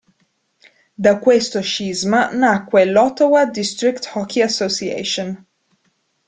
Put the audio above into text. Da questo scisma nacque l'Ottawa District Hockey Association.